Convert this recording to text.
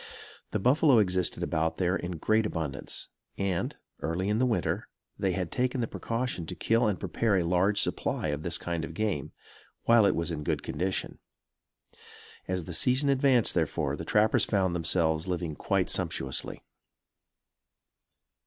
The buffalo existed about there in great abundance; and, early in the winter, they had taken the precaution to kill and prepare a large supply of this kind of game, while it was in good condition. As the season advanced therefore, the trappers found themselves living quite sumptuously.